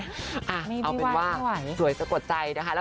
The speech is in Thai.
เอาเป็นว่าสวยสะกดใจนะคะ